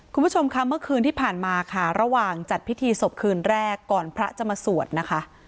คุณผู้ชมค่ะเมื่อคืนที่ผ่านมาค่ะระหว่างจัดพิธีศพคืนแรกก่อนพระจะมาสวดนะคะ